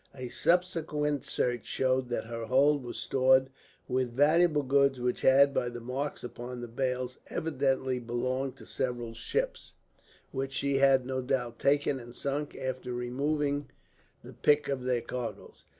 A subsequent search showed that her hold was stored with valuable goods; which had, by the marks upon the bales, evidently belonged to several ships; which she had, no doubt, taken and sunk after removing the pick of their cargoes.